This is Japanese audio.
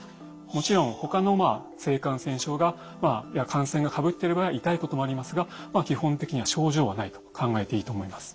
もちろんほかの性感染症や感染がかぶっている場合は痛いこともありますが基本的には症状はないと考えていいと思います。